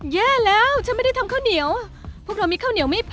แย่แล้วฉันไม่ได้ทำข้าวเหนียวพวกเรามีข้าวเหนียวไม่พอ